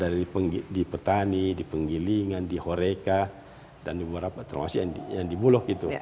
dari petani di penggilingan di horeca dan di berapa terutama di buluh gitu